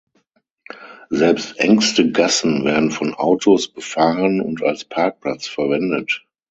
Selbst engste Gassen werden von Autos befahren und als Parkplatz verwendet.